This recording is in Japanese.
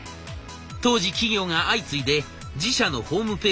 当時企業が相次いで自社のホームページを立ち上げていた中